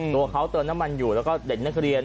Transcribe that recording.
ตัวเขาเติมน้ำมันอยู่แล้วก็เด็กนักเรียน